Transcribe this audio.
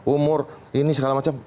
umur ini segala macam